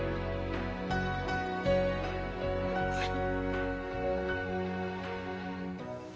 はい。